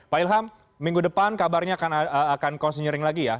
pak ilham minggu depan kabarnya akan consinyering lagi ya